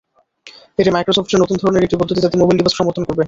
এটি মাইক্রোসফটের নতুন ধরনের একটি পদ্ধতি, যাতে মোবাইল ডিভাইসও সমর্থন করবে।